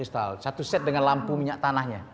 satu set dengan lampu minyak tanahnya